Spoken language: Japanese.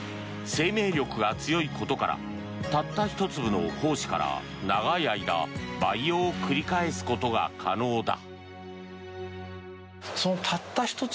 生命力が強いことからたった１粒の胞子から長い間培養を繰り返すことが可能だ。